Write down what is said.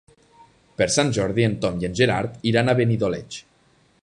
Per Sant Jordi en Tom i en Gerard iran a Benidoleig.